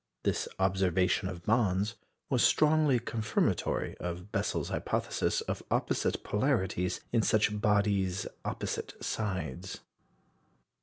This observation of Bond's was strongly confirmatory of Bessel's hypothesis of opposite polarities in such bodies' opposite sides.